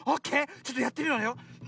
ちょっとやってみるわよ。